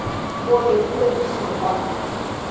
Boa Ventura de São Roque